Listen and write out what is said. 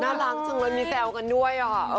น่ารักจังเลยมีแซวกันด้วย